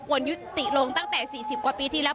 ยุติลงตั้งแต่๔๐กว่าปีที่แล้ว